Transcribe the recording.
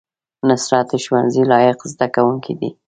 نصرت د ښوونځي لایق زده کوونکی دی